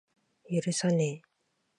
許さねぇ。